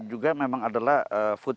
dan juga memang adalah futil